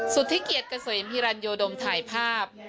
สุธิเกียจเกษมฮิรันโยดมถ่ายภาพ